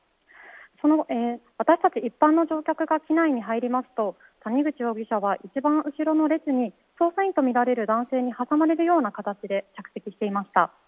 その後、私たち一般の乗客が機内に入りますと谷口容疑者は１番後ろの列に捜査員とみられる男性に挟まれるような形で着席していました。